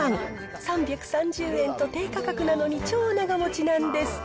３３０円と低価格なのに、超長もちなんです。